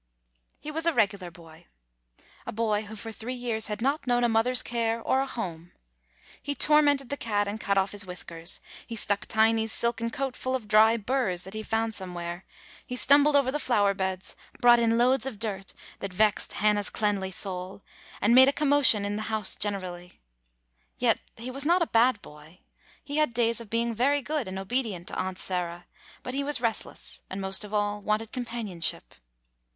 He was a regular boy — a boy who, for three years, had not known a mother's care or a home. He tormented the cat and cut off his whiskers; he stuck Tiny's silken coat full of dry burrs that he found somewhere ; he stum [ 101 ] AN EASTER LILY bled over the flower beds ; brought in loads of dirt that vexed Hannah's cleanly soul, and made a commotion in the house generally. Yet he was not a bad boy. He had days of being very good and obedient to Aunt Sarah, but he was restless, and, most of all, wanted companionship.